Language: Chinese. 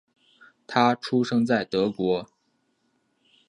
他出生在德国。